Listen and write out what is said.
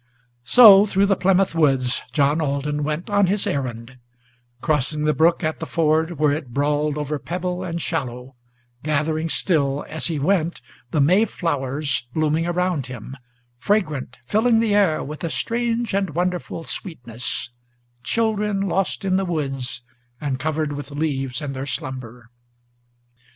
So through the Plymouth woods John Alden went on his errand; Crossing the brook at the ford, where it brawled over pebble and shallow, Gathering still, as he went, the May flowers blooming around him, Fragrant, filling the air with a strange and wonderful sweetness, Children lost in the woods, and covered with leaves in their slumber.